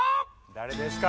誰ですか？